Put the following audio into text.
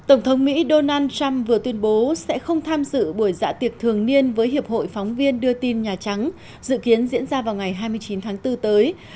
ông trump vừa tuyên bố sẽ không tham dự buổi dạ tiệc thường niên với hiệp hội phóng viên đưa tin nhà trắng dự kiến diễn ra vào ngày hai mươi chín tháng bốn tới